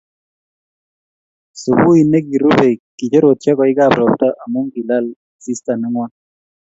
Subui nekirubei, kichorotio koik ab robta amun kilala asista nengwan